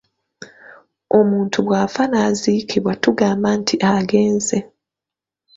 Omuntu bw’afa n’aziikibwa tugamba nti agenze.